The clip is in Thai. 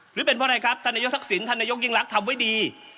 หรือเป็นเพราะอะไรครับธนายกฤษศิลป์ธนายกยิ่งรักษ์ทำไว้ดี